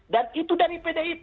dan itu dari pdip